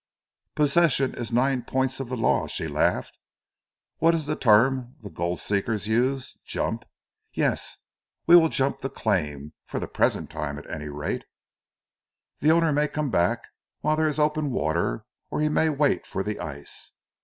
"Possession is nine points of the law," she laughed. "What is the term the gold seekers use, Jump? yes, we will jump the claim, for the present at any rate." "The owner may come back while there is open water, or he may wait for the ice."